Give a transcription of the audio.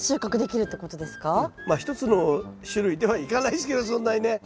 一つの種類ではいかないですけどそんなにね。